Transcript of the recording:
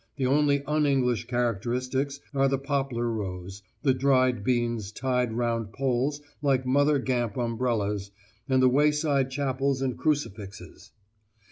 The only un English characteristics are the poplar rows, the dried beans tied round poles like mother gamp umbrellas, and the wayside chapels and crucifixes.